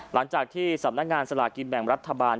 หลังจากที่สำนักงานสลากินแบ่งรัฐบาล